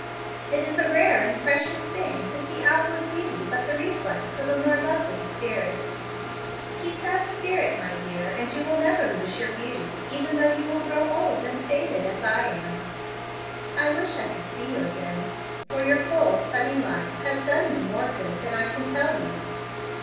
It is a rare and precious thing to see outward beauty but the reflex of a more lovely spirit. Keep that spirit, my dear, and you will never lose your beauty even though you grow old and faded as I am. I wish I could see you again, for your full, sunny life has done me more good than I can tell you."